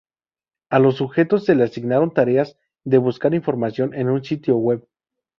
A los sujetos se le asignaron tareas de buscar información en un sitio web.